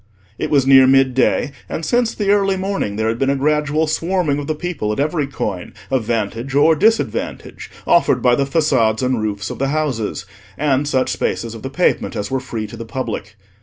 It was near mid day, and since the early morning there had been a gradual swarming of the people at every coign of vantage or disadvantage offered by the façades and roofs of the houses, and such spaces of the pavement as were free to the public.